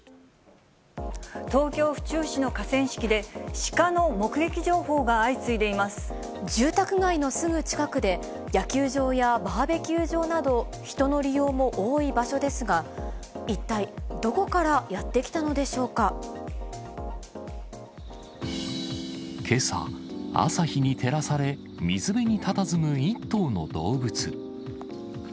東京・府中市の河川敷で、住宅街のすぐ近くで、野球場やバーベキュー場など、人の利用も多い場所ですが、一体、けさ、朝日に照らされ、水辺にたたずむ１頭の動物。